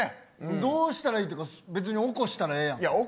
どうしたらいいというか起こしたらええやん。